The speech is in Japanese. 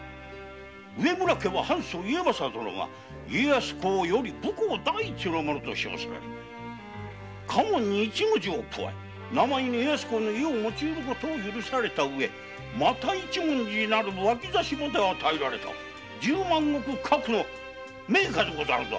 植村家は藩祖・家政殿が家康公より武功第一の者と称せられ家紋に「一」の字を加え名前に家康公の「家」を用いることを許されたうえ「又一文字」なる脇差まで与えられた十万石格の名家でござるぞ！